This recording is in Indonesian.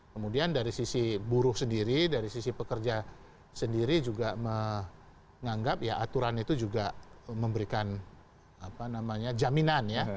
kemudian dari sisi buruh sendiri dari sisi pekerja sendiri juga menganggap ya aturan itu juga memberikan jaminan ya